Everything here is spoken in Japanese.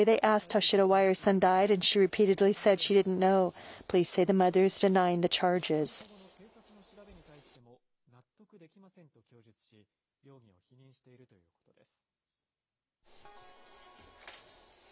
逮捕後の警察の調べに対しても、納得できませんと供述し、容疑を否認しているということです。